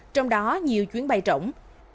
trong đó nhiều chuyến bay rỗng